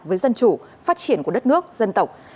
với dân chủ phát triển của đất nước dân tộc